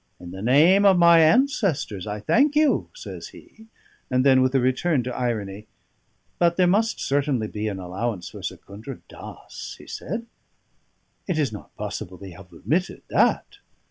"In the name of my ancestors, I thank you," says he; and then, with a return to irony, "But there must certainly be an allowance for Secundra Dass?" he said. "It is not possible they have omitted that?"